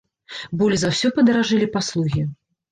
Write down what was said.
Болей за ўсё падаражэлі паслугі.